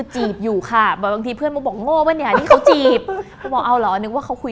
ใช่เช่น